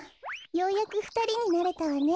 ようやくふたりになれたわね。